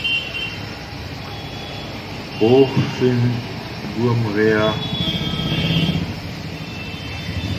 Pó fíŋ bʉə̌ mhě a?